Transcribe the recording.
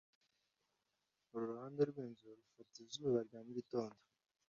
Uru ruhande rwinzu rufata izuba rya mugitondo.